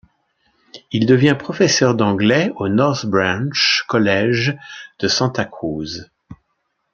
Il devient professeur d’anglais au Northbranch College de Santa Cruz.